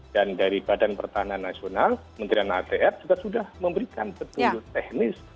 dan dari badan pertahanan nasional menteri anatr juga sudah memberikan petunjuk teknis